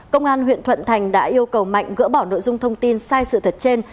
công an huyện thuận thành đã yêu cầu mạnh gỡ bỏ nội dung thông tin sai sự thật trên